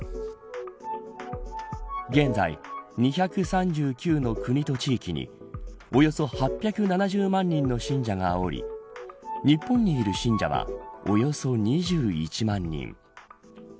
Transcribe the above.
現在２３９の国と地域におよそ８７０万人の信者がおり日本にいる信者はおよそ２１万人。